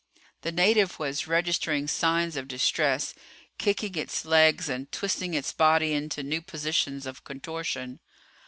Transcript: The native was registering signs of distress, kicking its legs and twisting its body into new positions of contortion.